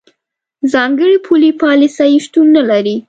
ځانګړې پولي پالیسۍ شتون نه لري.